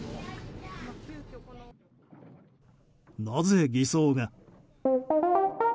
なぜ偽装が。